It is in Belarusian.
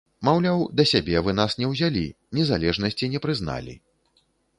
Маўляў, да сябе вы нас не ўзялі, незалежнасці не прызналі.